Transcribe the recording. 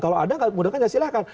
kalau ada kalau tidak mudahnya silahkan